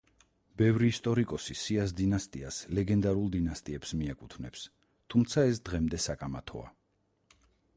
ბევრი ისტორიკოსი სიას დინასტიას ლეგენდარულ დინასტიებს მიაკუთვნებს, თუმცა ეს დღემდე საკამათოა.